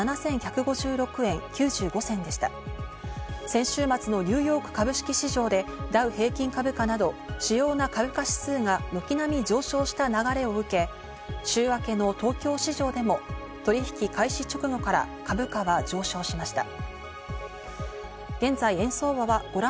先週末のニューヨーク株式市場でダウ平均株価など主要な株価指数が軒並み上昇した流れを受け、週明けの東京市場でも取引開始直後から株価は上昇しました。